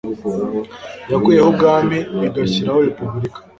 yakuyeho ubwami igashyiraho repubulika